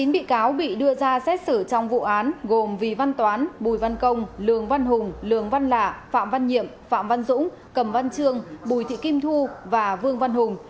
chín bị cáo bị đưa ra xét xử trong vụ án gồm vì văn toán bùi văn công lường văn hùng lường văn lạ phạm văn nhiệm phạm văn dũng cầm văn trương bùi thị kim thu và vương văn hùng